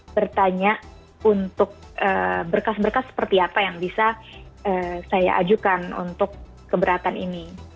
bertanya untuk berkas berkas seperti apa yang bisa saya ajukan untuk keberatan ini